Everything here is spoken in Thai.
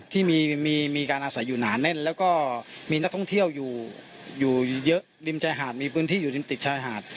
ที่มีการอาศัยอยู่หนาแน่นแล้วก็มีนักท่องเที่ยวอยู่เยอะริมชายหาดมีพื้นที่อยู่ริมติดชายหาด